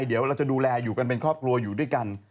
เดี๋ยวเราจะดูแลอยู่กันเป็นครอบครัวอยู่ด้วยกัน